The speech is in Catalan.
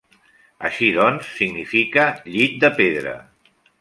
Així doncs, significa 'llit de pedra'.